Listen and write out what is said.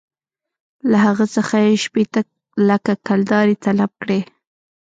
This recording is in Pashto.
له هغه څخه یې شپېته لکه کلدارې طلب کړې.